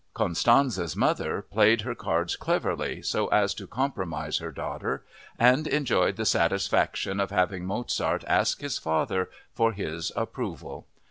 Constanze's mother played her cards cleverly so as to compromise her daughter and enjoyed the satisfaction of having Mozart ask his father for his "approval."